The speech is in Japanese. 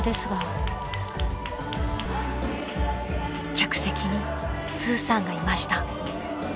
［客席にスーさんがいました］